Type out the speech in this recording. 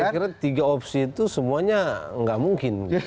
saya kira tiga opsi itu semuanya nggak mungkin